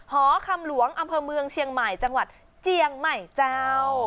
หอคำหลวงอำเภอเมืองเชียงใหม่จังหวัดเจียงใหม่เจ้า